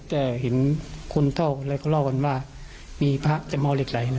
แต่เห็นคนเท่าอะไรเขาเล่ากันว่ามีพระแต่หม้อเหล็กไหล